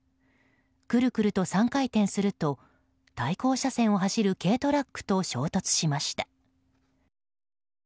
クルクルと３回転すると対向車線を走る軽トラックと衝突しました。